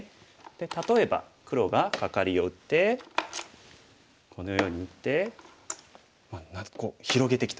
例えば黒がカカリを打ってこのように打ってまあこう広げてきた。